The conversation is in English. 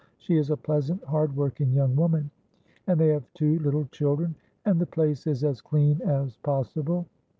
She is a pleasant, hard working young woman, and they have two little children, and the place is as clean as possible.